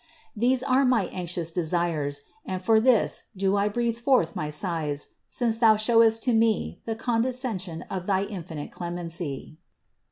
These are my anxious desires, and for this do I breathe forth my 82 CITY OF GOD sighs, since Thou showest to me the condescension of thy infinite clemency."